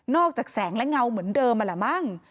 นอกจากแสงและเงาเหมือนเดิมอ่ะล่ะมั้ง